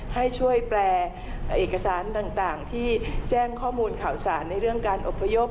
ให้ช่วยแปลเอกสารต่างที่แจ้งข้อมูลข่าวสารในเรื่องการอบพยพ